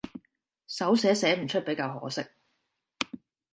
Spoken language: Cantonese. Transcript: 手寫寫唔出比較可惜